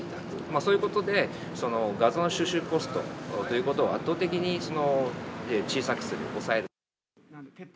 そういうことで、画像の収集コストということを圧倒的に小さくする、抑える。